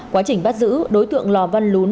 quá trình bắt giữ đối tượng lò văn lún